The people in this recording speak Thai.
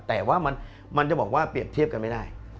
แต่ว่ามันจะบอกว่าเปรียบเทียบกันไม่ได้